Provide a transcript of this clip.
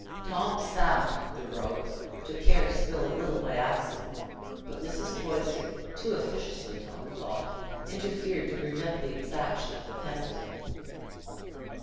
Tom Saft—the rogue—took care to spill a little by accident; but Mrs. Poyser (too officiously, Tom thought) interfered to prevent the exaction of the penalty.